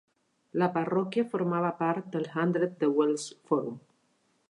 La parròquia formava part del Hundred de Wells Forum.